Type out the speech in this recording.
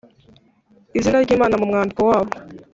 izina ry Imana mu mwandiko wabo